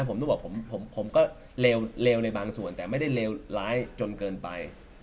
ผมต้องบอกผมก็เลวในบางส่วนแต่ไม่ได้เลวร้ายจนเกินไป